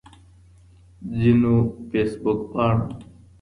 ځينو فيسبوک پاڼو